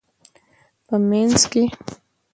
په مینځ کې